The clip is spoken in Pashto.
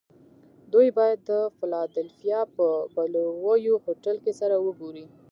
دوی باید د فلادلفیا په بلوویو هوټل کې سره و ګوري